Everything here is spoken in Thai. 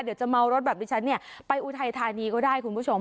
เดี๋ยวจะเมารถแบบนี้ฉันเนี่ยไปอุทัยธานีก็ได้คุณผู้ชม